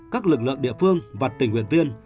các lực lượng địa phương và tỉnh nguyện viên